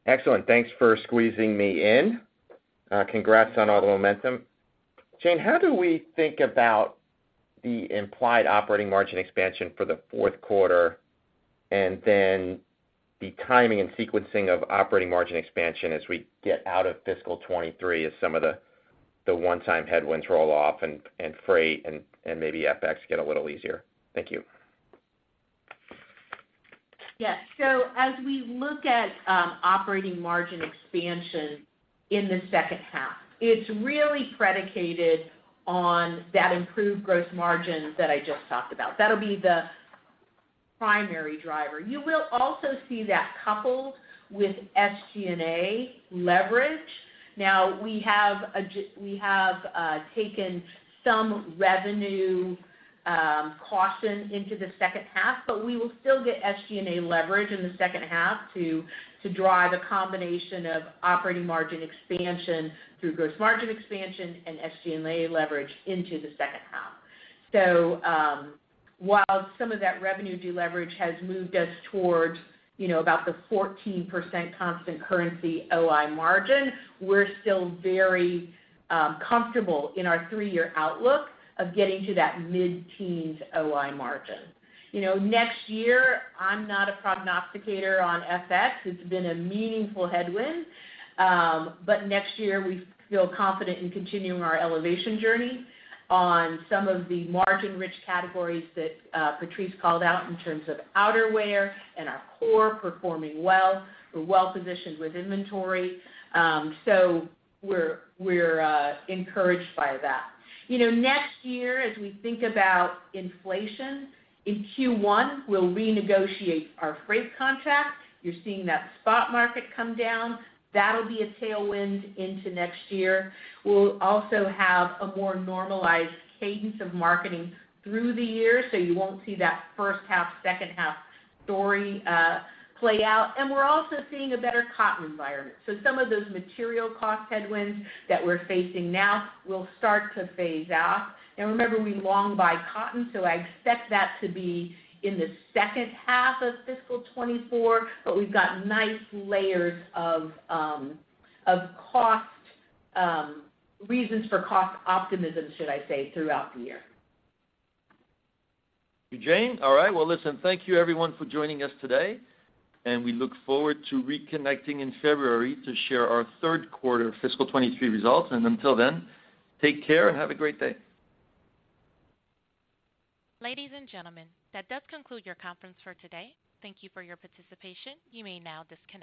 Excellent. Thanks for squeezing me in. Congrats on all the momentum. Jane, how do we think about the implied operating margin expansion for the fourth quarter, and then the timing and sequencing of operating margin expansion as we get out of fiscal 2023 as some of the one-time headwinds roll off and freight and maybe FX get a little easier? Thank you. Yes. As we look at operating margin expansion in the second half, it's really predicated on that improved gross margin that I just talked about. That'll be the primary driver. You will also see that coupled with SG&A leverage. Now, we have taken some revenue caution into the second half, but we will still get SG&A leverage in the second half to drive a combination of operating margin expansion through gross margin expansion and SG&A leverage into the second half. While some of that revenue deleverage has moved us towards, you know, about the 14% constant currency OI margin, we're still very comfortable in our three-year outlook of getting to that mid-teens OI margin. You know, next year, I'm not a prognosticator on FX. It's been a meaningful headwind. Next year, we feel confident in continuing our elevation journey on some of the margin-rich categories that Patrice called out in terms of outerwear and our core performing well. We're well positioned with inventory. We're encouraged by that. You know, next year, as we think about inflation, in Q1, we'll renegotiate our freight contract. You're seeing that spot market come down. That'll be a tailwind into next year. We'll also have a more normalized cadence of marketing through the year, so you won't see that first half, second half story play out. We're also seeing a better cotton environment. Some of those material cost headwinds that we're facing now will start to phase out. Now, remember, we long buy cotton, so I expect that to be in the second half of fiscal 2024, but we've got nice layers of cost reasons for cost optimism, should I say, throughout the year. Thank you, Jane. All right. Well, listen, thank you everyone for joining us today, and we look forward to reconnecting in February to share our third quarter fiscal 2023 results. Until then, take care and have a great day. Ladies and gentlemen, that does conclude your conference for today. Thank you for your participation. You may now disconnect.